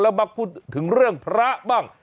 มักพูดถึงเรื่องพระบ้าง